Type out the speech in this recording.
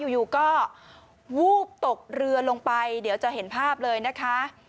อยู่ก็วูบตกเรือลงไปเดี๋ยวจะเห็นภาพเลยนะคะ